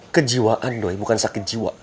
kejiwaan loh bukan sakit jiwa